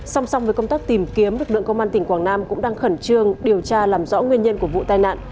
song song với công tác tìm kiếm lực lượng công an tỉnh quảng nam cũng đang khẩn trương điều tra làm rõ nguyên nhân của vụ tai nạn